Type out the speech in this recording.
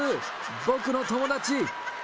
僕の友達。